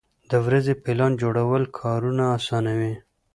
د ورځې پلان جوړول کارونه اسانوي.